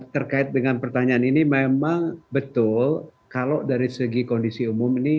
terkait dengan pertanyaan ini memang betul kalau dari segi kondisi umum ini